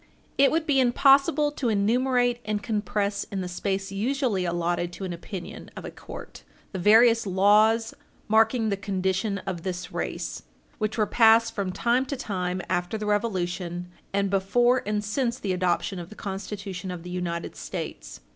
It would be impossible to enumerate and compress in the space usually allotted to an opinion of a court the various laws, marking the condition of this race which were passed from time to time after the Revolution and before and since the adoption of the Constitution of the United States.